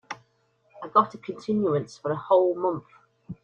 I got a continuance for a whole month.